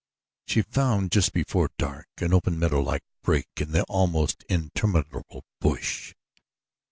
She found, just before dark, an open meadow like break in the almost interminable bush.